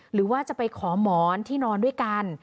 หรือว่าจะไปขอหมอนที่นอนด้วยกัน